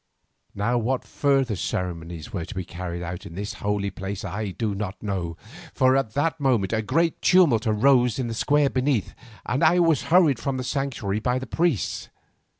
Now what further ceremonies were to be carried out in this unholy place I do not know, for at that moment a great tumult arose in the square beneath, and I was hurried from the sanctuary by the priests.